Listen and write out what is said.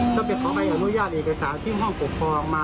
ก็ไปขอใบอนุญาตเอกสารที่ห้องปกครองมา